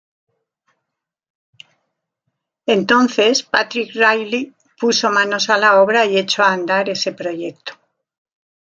Entonces patrick Riley puso manos a la obra, y echó a andar ese proyecto.